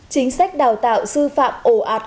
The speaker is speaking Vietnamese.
chính sách đào tạo sư phạm ồ ạt